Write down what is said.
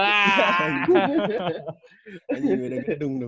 bisa beda gitu ya